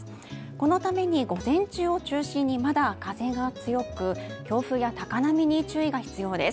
このために午前中を中心にまだ風が強く強風や高波に注意が必要です。